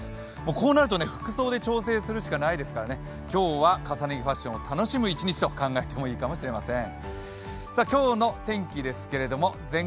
こうなると服装で調整するしかないですからね、今日は重ね着ファッションを楽しむ一日と考えていいかもしれません。